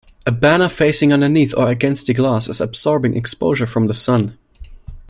A banner facing underneath or against glass is absorbing exposure from the sun.